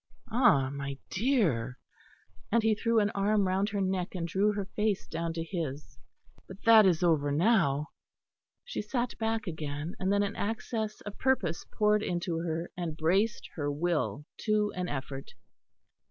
"Ah! my dear," and he threw an arm round her neck and drew her face down to his, "but that is over now." She sat back again; and then an access of purpose poured into her and braced her will to an effort.